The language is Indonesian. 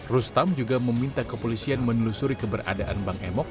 rustam juga meminta kepolisian menelusuri keberadaan bank emok